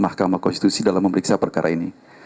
mahkamah konstitusi dalam memeriksa perkara ini